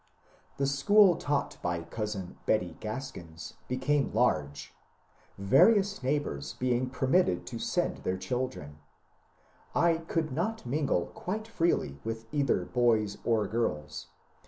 The school taught by cousin Betty Craskins became large, various neighbours being permitted to send their children. I could not mingle quite freely with either boys or girls.